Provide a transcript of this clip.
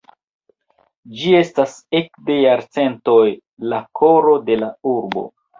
Ĝi estas ekde jarcentoj la koro de la urbo.